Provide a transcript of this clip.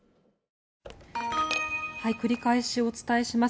繰り返しお伝えします。